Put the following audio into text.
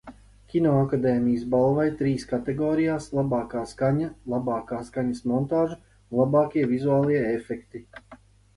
"Kinoakadēmijas balvai trīs kategorijās: "Labākā skaņa", "Labākā skaņas montāža" un "Labākie vizuālie efekti"."